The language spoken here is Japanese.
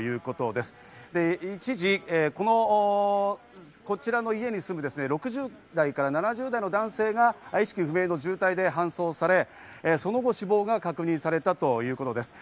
で、一時こちらの家に住む６０代から７０代の男性が意識不明の重体で搬送され、その後、死亡が確認されたということです。